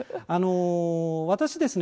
私ですね